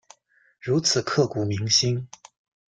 如此刻骨铭心